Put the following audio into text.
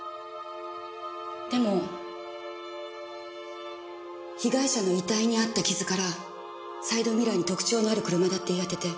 でも被害者の遺体にあった傷からサイドミラーに特徴のある車だって言い当てて。